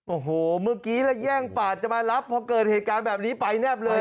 โอ้โหเมื่อกี้แล้วแย่งปาดจะมารับพอเกิดเหตุการณ์แบบนี้ไปแนบเลย